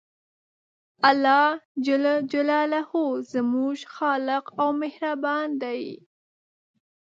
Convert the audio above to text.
الله ج زموږ خالق او مهربان دی